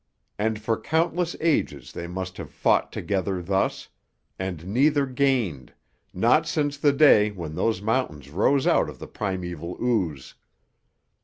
And for countless ages they must have fought together thus, and neither gained, not since the day when those mountains rose out of the primeval ooze.